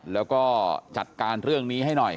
แล้วก็จัดการเรื่องนี้ให้หน่อย